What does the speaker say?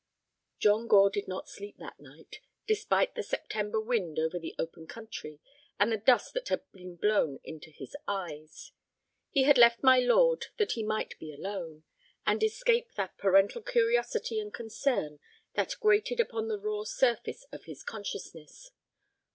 John Gore did not sleep that night, despite the September wind over the open country and the dust that had been blown into his eyes. He had left my lord that he might be alone, and escape that parental curiosity and concern that grated upon the raw surface of his consciousness.